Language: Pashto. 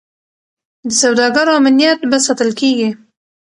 د سوداګرو امنیت به ساتل کیږي.